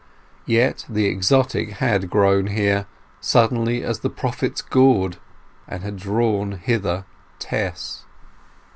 Yet the exotic had grown here, suddenly as the prophet's gourd; and had drawn hither Tess.